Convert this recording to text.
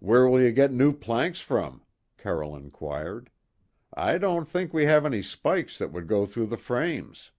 "Where will you get new planks from?" Carroll inquired. "I don't think we have any spikes that would go through the frames."